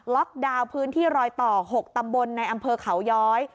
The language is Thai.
ดาวน์พื้นที่รอยต่อ๖ตำบลในอำเภอเขาย้อย